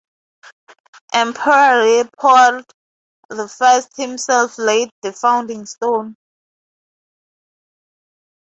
Emperor Leopold the First himself laid the founding stone.